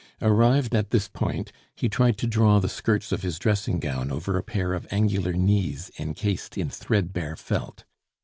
Arrived at this point, he tried to draw the skirts of his dressing gown over a pair of angular knees encased in threadbare felt.